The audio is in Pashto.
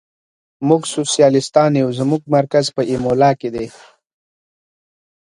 موږ سوسیالیستان یو، زموږ مرکز په ایمولا کې دی.